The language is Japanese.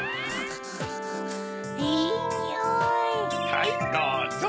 はいどうぞ。